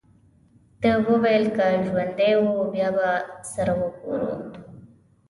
ده وویل: که ژوندي وو، بیا به سره ګورو.